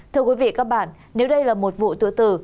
thưa quý vị các bạn nếu đây là một vụ tự tử